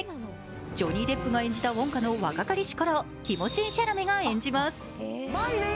ジョニー・デップが演じたウォンカの若かりしころをティモシー・シャラメが演じます。